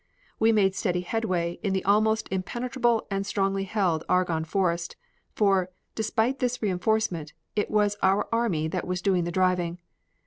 We made steady headway in the almost impenetrable and strongly held Argonne Forest, for, despite this reinforcement, it was our army that was doing the driving.